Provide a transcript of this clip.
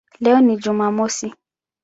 Leo ni Jumamosi".